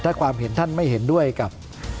ถ้าความเห็นท่านไม่เห็นด้วยกับ